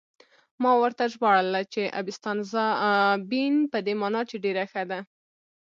ما ورته ژباړله چې: 'Abbastanza bene' په دې مانا چې ډېره ښه ده.